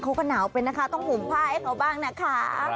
เขาก็หนาวไปนะคะต้องห่มผ้าให้เขาบ้างนะคะ